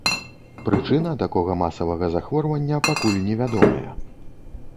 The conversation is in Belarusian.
Прычына такога масавага захворвання пакуль невядомая.